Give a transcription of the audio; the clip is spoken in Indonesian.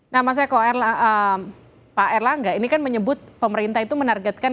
nah mas eko pak erlangga ini kan menyebut pemerintah itu menargetkan